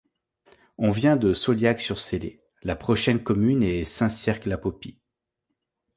On vient de Sauliac-sur-Célé, la prochaine commune est Saint-Cirq-Lapopie.